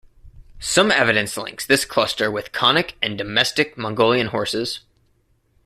Some evidence links this cluster with Konik and domestic Mongolian horses.